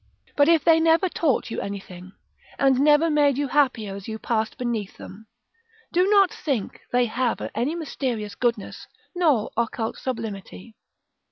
But if they never taught you anything, and never made you happier as you passed beneath them, do not think they have any mysterious goodness nor occult sublimity.